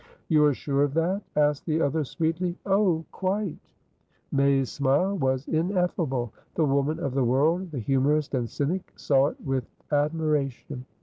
"You are sure of that?" asked the other, sweetly. "Oh, quite!" May's smile was ineffable. The woman of the world, the humourist and cynic, saw it with admiration.